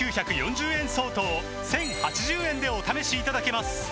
５９４０円相当を１０８０円でお試しいただけます